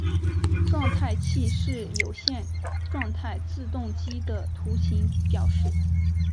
状态器是有限状态自动机的图形表示。